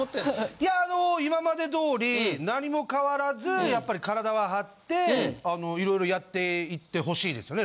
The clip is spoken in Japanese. いやあの今まで通り何も変わらずやっぱり体は張って色々やっていってほしいですね。